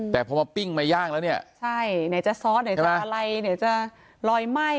แต่พอมาปิ้งมาย่างแล้วเนี่ยใช่ไหนจะซอสไหนจะอะไรไหนจะลอยไหม้